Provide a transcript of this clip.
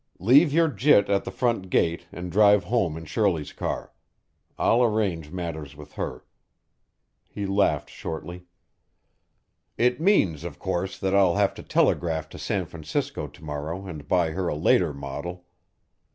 "Leave your jit at the front gate and drive home in Shirley's car. I'll arrange matters with her." He laughed shortly. "It means, of course, that I'll have to telegraph to San Francisco to morrow and buy her a later model.